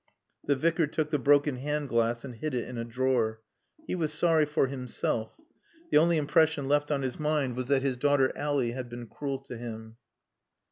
The Vicar took the broken hand glass and hid it in a drawer. He was sorry for himself. The only impression left on his mind was that his daughter Ally had been cruel to him.